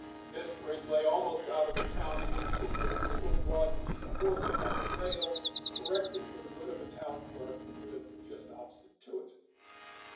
This bridge lay almost out of the town, and consisted of a single broad piece of wood without a rail, erected for the good of the town clerk, who lived, just opposite to it.